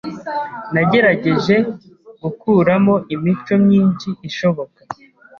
Nagerageje gukuramo imico myinshi ishoboka.